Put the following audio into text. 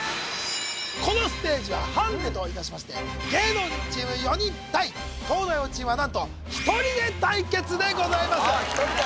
このステージはハンデといたしまして芸能人チーム４人対東大王チームは何と１人で対決でございます